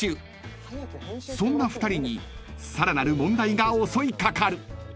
［そんな２人にさらなる問題が襲い掛かる］